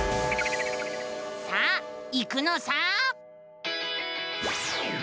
さあ行くのさ！